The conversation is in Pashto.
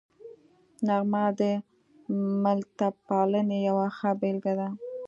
نغمه د ملتپالنې یوه ښه بېلګه ده